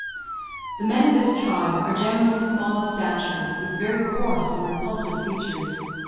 The men of this tribe are generally small of stature, with very coarse and repulsive features.